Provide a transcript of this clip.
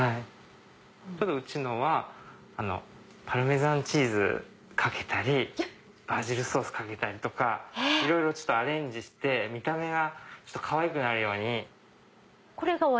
ちょっとうちのはパルメザンチーズかけたりバジルソースかけたりとかいろいろアレンジして見た目がかわいくなるように。